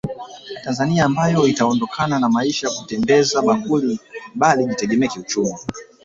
Tanzania ambayo itaondokana na maisha ya kutembeza bakuli bali ijitegemee kiuchumi